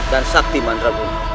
dan saktiman rebun